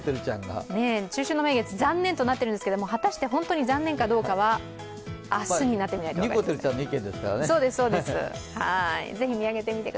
中秋の名月、残念となっているんですが、果たして本当に残念かどうかは、明日になってみないと分かりません。